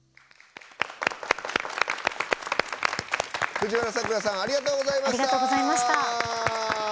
藤原さくらさんありがとうございました。